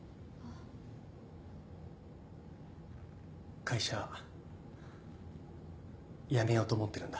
会社辞めようと思ってるんだ。